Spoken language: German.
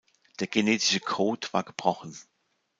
Der genetische Code war gebrochen.